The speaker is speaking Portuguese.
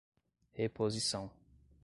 reposição